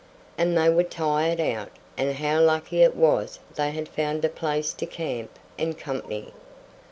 And they were tired out, and how lucky it was they had found a place to camp and company.